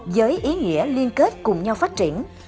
với ý nghĩa liên kết cùng nhau phát triển